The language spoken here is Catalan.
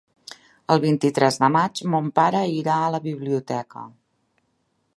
El vint-i-tres de maig mon pare irà a la biblioteca.